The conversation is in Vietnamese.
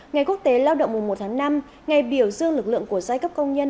ngày quốc tế lao động mùa một tháng năm ngày biểu dương lực lượng của giai cấp công nhân